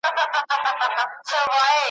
ګل غونډۍ ته، ارغوان ته، چاریکار ته غزل لیکم `